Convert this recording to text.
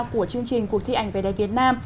của chương trình cuộc thi ảnh vẻ đẹp việt nam